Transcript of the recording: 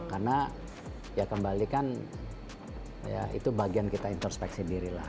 karena ya kembalikan ya itu bagian kita introspeksi diri lah